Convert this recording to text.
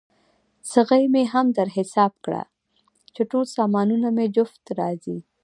څغۍ مې هم در حساب کړه، چې ټول سامانونه مې جفت راځي.